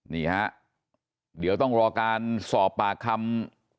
นี่ฮะเดี๋ยวต้องรอการสอบปากคำ